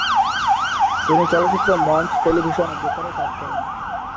তিনি চলচ্চিত্র, মঞ্চ, টেলিভিশন ও বেতারে কাজ করেন।